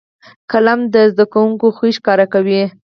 قلم د زده کوونکو خوی ښکاره کوي